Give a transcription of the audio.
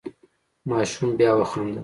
ماشوم بیا وخندل.